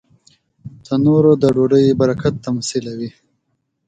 تنور د ډوډۍ برکت تمثیلوي